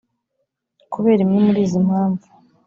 kubera imwe muri izi impamvu